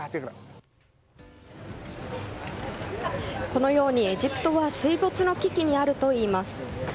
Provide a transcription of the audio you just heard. このようにエジプトは水没の危機にあるといいます。